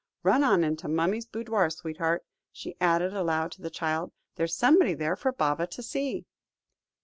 Run on into mummy's boudoir, sweetheart," she added aloud to the child, "there's somebody there for Baba to see."